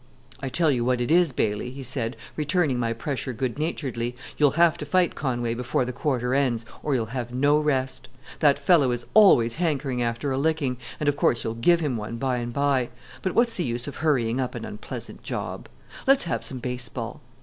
"I tell you what it is, Bailey," he said, returning my pressure good naturedly, "you'll have to fight Conway before the quarter ends, or you'll have no rest. That fellow is always hankering after a licking, and of course you'll give him one by and by; but what's the use of hurrying up an unpleasant job? Let's have some baseball.